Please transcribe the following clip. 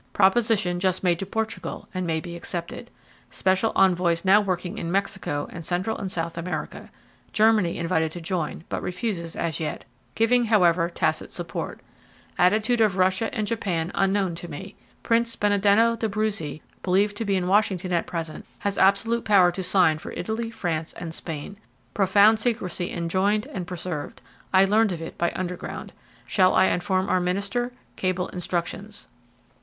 Proposition just made to Portugal, and may be accepted. Special envoys now working in Mexico and Central and South America. Germany invited to join, but refuses as yet, giving, however, tacit support; attitude of Russia and Japan unknown to me. Prince Benedetto d'Abruzzi, believed to be in Washington at present, has absolute power to sign for Italy, France and Spain. Profound secrecy enjoined and preserved. I learned of it by underground. Shall I inform our minister? Cable instructions."